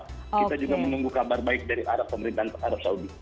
kita juga menunggu kabar baik dari arab pemerintah dan arab saudi